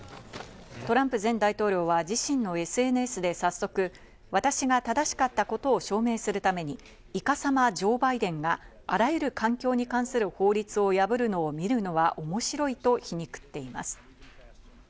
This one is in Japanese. トランプ前大統領は自身のＳＮＳで早速、私が正しかったことを証明するためにいかさまジョー・バイデンがあらゆる環境に関する法律を破るのを見るのは面白いと皮肉っています。